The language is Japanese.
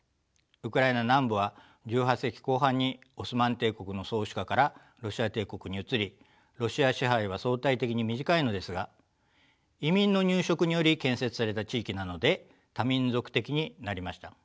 ウクライナ南部は１８世紀後半にオスマン帝国の宗主下からロシア帝国に移りロシア支配は相対的に短いのですが移民の入植により建設された地域なので多民族的になりました。